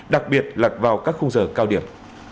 đặc biệt lật vào các khung giờ cao điểm